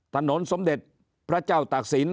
สมเด็จพระเจ้าตากศิลป